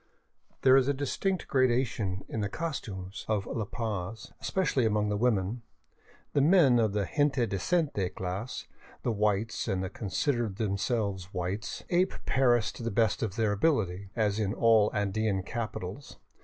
There is a distinct gradation in the costumes of La Paz, especially among the women. The men of the " gente decente '' class, the whites and the consider themselves whites, ape Paris to the best of their abil ity, as in all Andean capitals.